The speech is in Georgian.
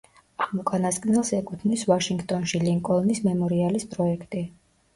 ამ უკანასკნელს ეკუთვნის ვაშინგტონში ლინკოლნის მემორიალის პროექტი.